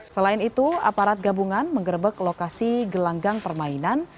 selain itu aparat gabungan mengerebek lokasi gelanggang permainan